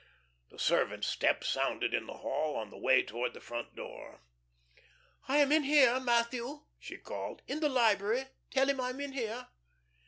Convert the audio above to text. The servant's step sounded in the hall on the way towards the front door. "I am in here, Matthew," she called. "In the library. Tell him I am in here."